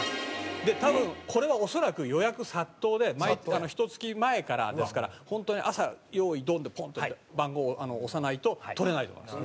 多分これは恐らく予約殺到でひと月前からですから本当に朝用意ドンでポンッと番号押さないと取れないと思います。